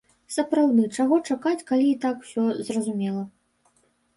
Сапраўды, чаго чакаць, калі і так усё зразумела?